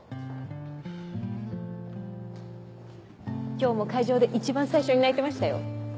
今日も会場で一番最初に泣いてましたよ。